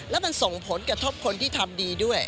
แล้วมันส่งผลกระทบคนที่ทำดีด้วย